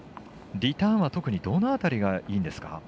リターンは特にどの辺りがいいんですか？